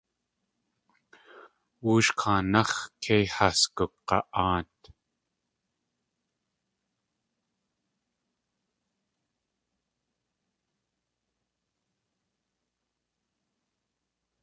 Woosh kaanáx̲ kei has gug̲a.áat.